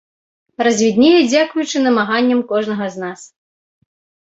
Развіднее дзякуючы намаганням кожнага з нас.